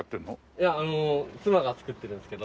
いやあの妻が作ってるんですけど。